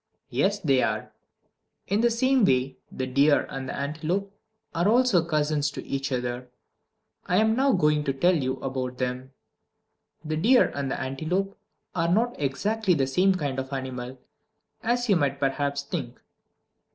Yes, they are. In the same way the deer and the antelope are also cousins to each other. I am now going to tell you about them. The deer and the antelope are not exactly the same kind of animal, as you might perhaps think.